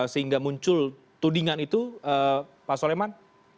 sehingga muncul tudingan itu pak soleman